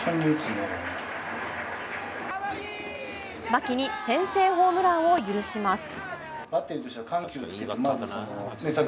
牧に先制ホームランを許します。